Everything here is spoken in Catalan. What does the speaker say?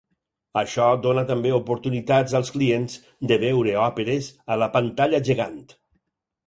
Això dóna també oportunitat als clients de veure Òperes a la pantalla gegant.